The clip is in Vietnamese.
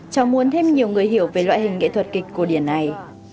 chào muốn thêm nhiều người hiểu về loại hình nghệ thuật kịch cổ điển này